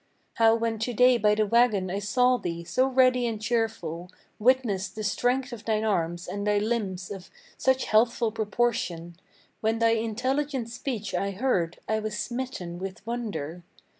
How when to day by the wagon I saw thee, so ready and cheerful, Witnessed the strength of thine arms, and thy limbs of such healthful proportion, When thy intelligent speech I heard, I was smitten with wonder.